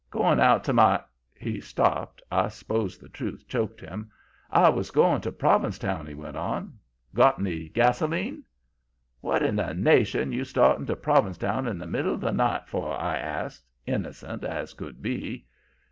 "'Going out to my ' He stopped. I s'pose the truth choked him. 'I was going to Provincetown,' he went on. 'Got any gasoline?' "'What in the nation you starting to Provincetown in the middle of the night for?' I asks, innocent as could be.